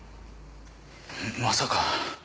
まさか。